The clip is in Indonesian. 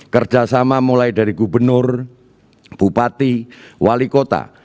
kerjasama mulai dari gubernur bupati wali kota